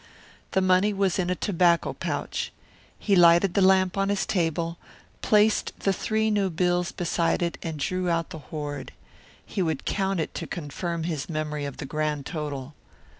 The money was in a tobacco pouch. He lighted the lamp on his table, placed the three new bills beside it and drew out the hoard. He would count it to confirm his memory of the grand total.